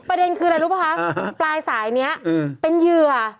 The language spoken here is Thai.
ประเด็นคืออะไรรู้ป่ะคะปลายสายนี้เป็นเหยื่อ